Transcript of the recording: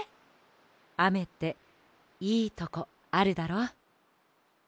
あめっていいとこあるだろ？